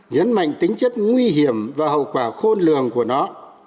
nhấn mạnh tính chất nguy hiểm và hậu quả khôn lường của nó